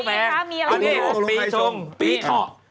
ปีชงปีทอ